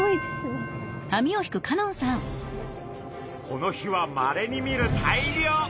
この日はまれに見る大漁！